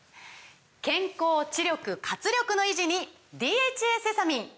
健康・知力・活力の維持に「ＤＨＡセサミン」！